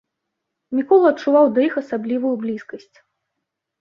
Мікола адчуваў да іх асаблівую блізкасць.